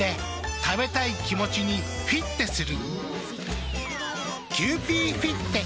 食べたい気持ちにフィッテする。